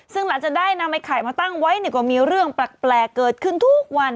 ซึ่งหลังจากได้นำไอ้ไข่มาตั้งไว้ก็มีเรื่องแปลกเกิดขึ้นทุกวัน